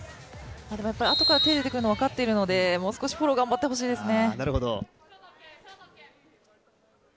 あとから手が出てくるのは分かっているのでもう少しフォローを頑張ってほしいですね。